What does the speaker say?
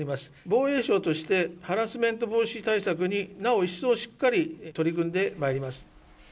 防衛省として、ハラスメント防止対策に、なお一層、しっかり取り組んでまいります。